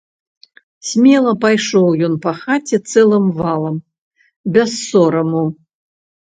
Смела пайшоў ён па хаце цэлым валам, без сораму.